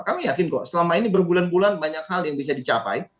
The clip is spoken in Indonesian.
kami yakin kok selama ini berbulan bulan banyak hal yang bisa dicapai